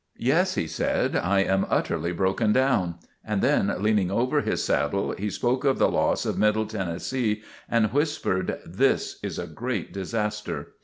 "Yes," he said, "I am utterly broken down." And then leaning over his saddle he spoke of the loss of Middle Tennessee and whispered: "This is a great disaster."